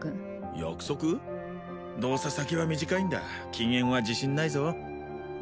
どうせ先は短いんだ禁煙は自信ないぞ